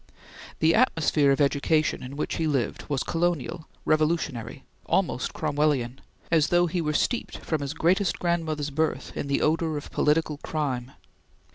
The atmosphere of education in which he lived was colonial, revolutionary, almost Cromwellian, as though he were steeped, from his greatest grandmother's birth, in the odor of political crime.